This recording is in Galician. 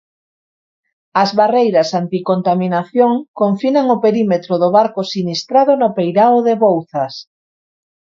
As barreiras anticontaminación confinan o perímetro do barco sinistrado no peirao de Bouzas.